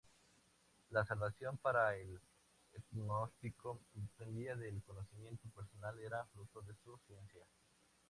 La salvación para el gnóstico dependía del conocimiento personal, era fruto de su ciencia.